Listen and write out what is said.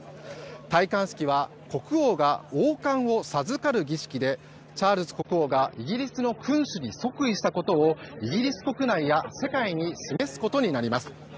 戴冠式は国王が王冠を授かる儀式でチャールズ国王がイギリスの君主に即位したことをイギリス国内や世界に示すことになります。